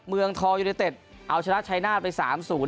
เมืองทองยูนิเต็ดเอาชนะชัยหน้าไปสามศูนย์